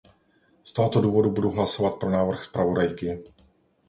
Z tohoto důvodu budu hlasovat pro návrh zpravodajky.